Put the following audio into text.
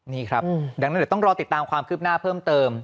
นี่ครับดังนั้นเดี๋ยวต้องรอติดตามความคืบหน้าเพิ่มเติม